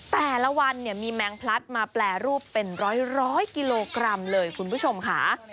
แต่ละวันเนี่ยมีแมงพลัดมาแปรรูปเป็นร้อยกิโลกรัมเลยคุณผู้ชมค่ะ